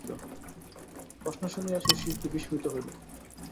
প্রশ্ন শুনিয়া শশী একটু বিস্মিত হইল।